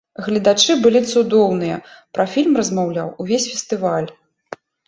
Гледачы былі цудоўныя, пра фільм размаўляў увесь фестываль.